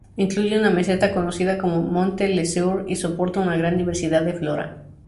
Incluye una meseta conocida como Monte Lesueur, y soporta una gran diversidad de flora.